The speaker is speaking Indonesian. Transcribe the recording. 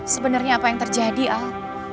sebenarnya apa yang terjadi al